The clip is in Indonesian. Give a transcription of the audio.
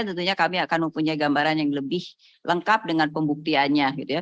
tentunya kami akan mempunyai gambaran yang lebih lengkap dengan pembuktiannya gitu ya